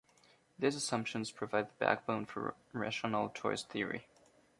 These assumptions provide the backbone for rational choice theory.